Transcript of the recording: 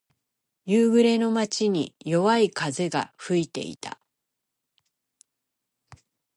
夕暮れの街に、弱い風が吹いていた。